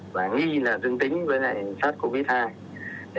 và nghi là dương tính với sát covid một mươi chín